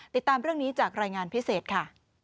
ติดตามเรื่องนี้จากรายงานพิเศษค่ะ